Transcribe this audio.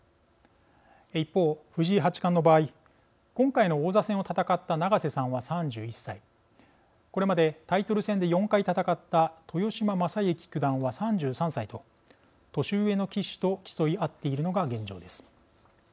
一方、藤井八冠の場合今回の王座戦を戦った永瀬さんは３１歳これまでタイトル戦で４回戦った豊島将之九段は３３歳と年上の棋士と競い合っているのが現状です。